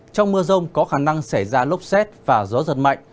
trong mưa rông có khả năng xảy ra lốc xét và gió giật mạnh